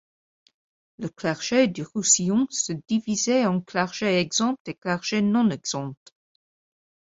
Le clergé du Roussillon se divisait en clergé exempt et clergé non exempt.